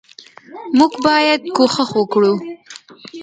موږ باید کوښښ وکو